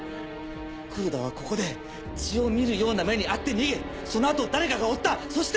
黒田はここで血をみるような目に遭って逃げそのあと誰かが追ったそして。